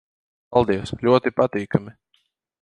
Paldies. Ļoti patīkami...